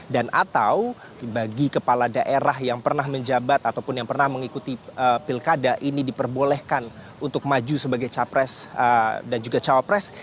dan atau bagi kepala daerah yang pernah menjabat ataupun yang pernah mengikuti pilkada ini diperbolehkan untuk maju sebagai capres dan juga cawapres